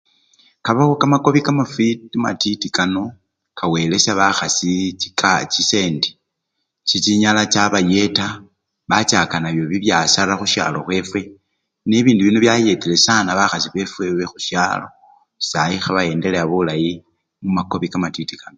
kabo kamakobi kamafi-kamatiti kano kawelesha bahasi chika-chisende chichinyala chabayeta bachaka nabo bibyasara hushalo hwefe, nebiindu bino byayetele sana bahasi befwe behushalo sayi habayendeleya bulayi mumakobi kamafwiti kano